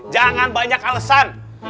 jangan banyak alesan